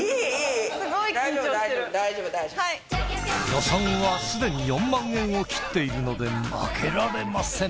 予算はすでに４万円を切っているので負けられません。